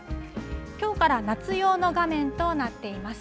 きょうから夏用の画面となっています。